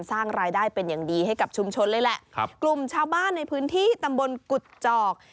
สร้างรายได้เป็นอย่างดีให้กับชุมชนเลยแหละครับกลุ่มชาวบ้านในพื้นที่ตำบลกุฎจอก